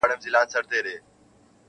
په دې هیله چي کامله مي ایمان سي,